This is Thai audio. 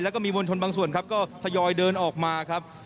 แล้วก็มีมวลชนบางส่วนครับก็ทยอยเดินออกมาครับ